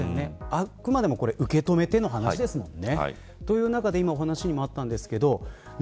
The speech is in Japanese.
あくまでも受けとめ手の話ですもんね。